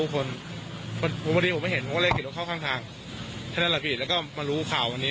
พอเวลาเสร็จก็ได้มีอากาศดี